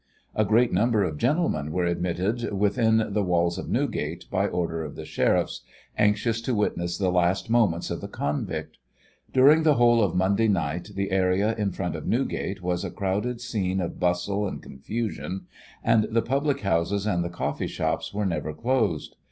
A great number of gentlemen were admitted within the walls of Newgate, by orders of the sheriffs, anxious to witness the last moments of the convict. During the whole of Monday night the area in front of Newgate was a crowded scene of bustle and confusion, and the public houses and the coffee shops were never closed.